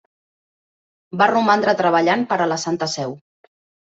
Va romandre treballant per a la Santa Seu.